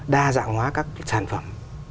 đa dạng hóa các sản phẩm